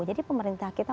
jadi pemerintah kita